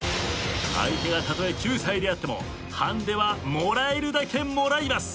相手がたとえ９歳であってもハンデはもらえるだけもらいます。